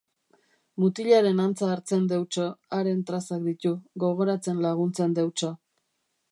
Mutilaren antza hartzen deutso, haren trazak ditu, gogoratzen laguntzen deutso.